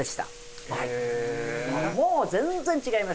もう全然違いました。